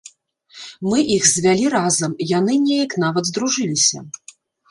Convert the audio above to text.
Мы іх звялі разам, яны неяк нават здружыліся.